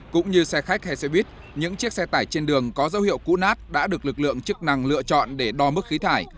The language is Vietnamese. cũng như xe khách hay xe buýt những chiếc xe tải trên đường có dấu hiệu cũ nát đã được lực lượng chức năng lựa chọn để đo mức khí thải